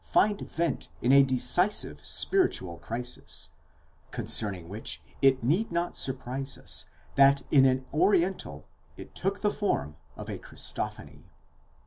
find vent in a decisive spiritual crisis, concerning which it need not surprise us that in an oriental it took the form of a Christophany.